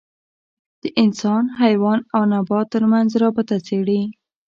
د انسان، حیوان او نبات تر منځ رابطه څېړي.